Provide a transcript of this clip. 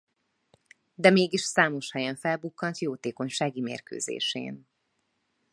De mégis számos helyen felbukkant jótékonysági mérkőzésén.